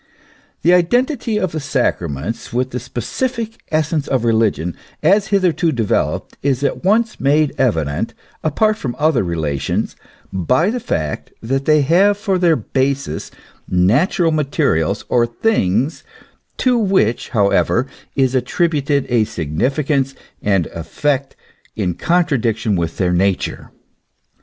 The identity of the sacraments with the specific essence of religion as hitherto developed is at once made evident, apart from other relations, by the fact that they have for their basis natural materials or things, to which, however, is attributed a significance and effect in contradiction with their nature.